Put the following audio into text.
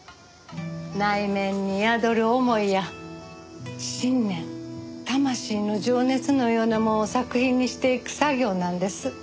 内面に宿る思いや信念魂の情熱のようなもんを作品にしていく作業なんです。